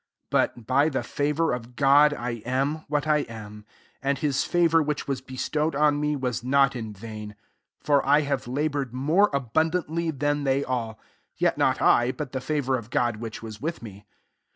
10 But by the ^nvour of God I am what I am : and his favour which VH19 beMtowfd on me, was i>ot in vain ; for I have labcHired more abundantly than they all ; jet not I, but the favour of God which wa* with me.)